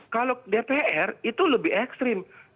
kalau dpr itu lebih ekstrim